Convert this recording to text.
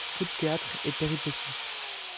Coup de théâtre et péripétie.